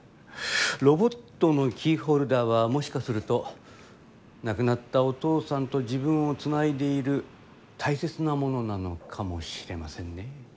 ロボットのキーホルダーはもしかすると亡くなったお父さんと自分をつないでいるたいせつなものなのかもしれませんね。